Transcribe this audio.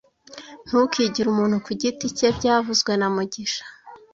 Ntukigire umuntu ku giti cye byavuzwe na mugisha